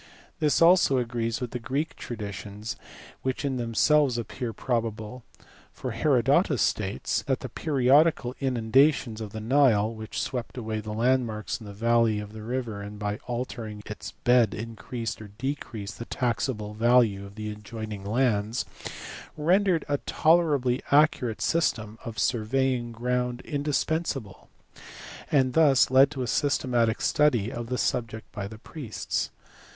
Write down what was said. This also agrees with the Greek traditions, which in themselves appear probable ; for Herodotus states that the periodical inundations of the Nile (which swept away the land marks in the valley of the river, and by altering its bed increased or decreased the taxable value of the adjoin ing lands) rendered a tolerably accurate system of surveying ground indispensable, and thus led to a systematic study of the subject by the priests.